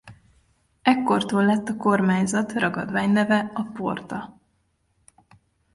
Ekkortól lett a kormányzat ragadványneve a porta.